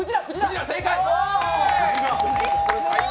正解。